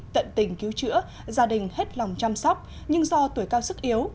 tận tình cứu chữa gia đình hết lòng chăm sóc nhưng do tuổi cao sức yếu